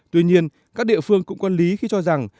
tuy nhiên các địa phương cũng quan lý khi cho rằng